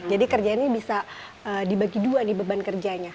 jadi kerjanya bisa dibagi dua nih beban kerjanya